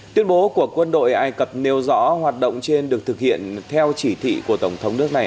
tuyên bố của quân đội ai cập nêu rõ hoạt động trên được thực hiện theo chỉ thị của tổng thống nước này